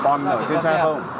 còn ở trên xe không